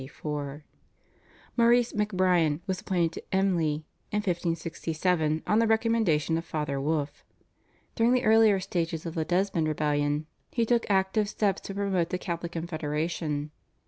Maurice MacBrien was appointed to Emly in 1567 on the recommendation of Father Wolf. During the earlier stages of the Desmond rebellion he took active steps to promote the Catholic confederation.